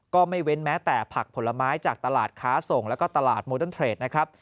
ไม่เว้นแม้แต่ผักผลไม้จากตลาดค้าส่งแล้วก็ตลาดโมเดิร์เทรดนะครับ